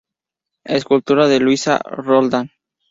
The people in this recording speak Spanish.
Escultura de Luisa Roldán.